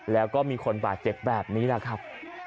แล้วก็มีคนบาดเจ็บแบบนี้แหละครับ